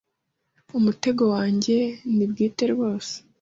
Umutego wanjye ni bwite rwose!